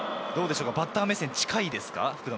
バッター目線に近いですか？